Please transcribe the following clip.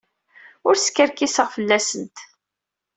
Ur skerkiseɣ fell-asent.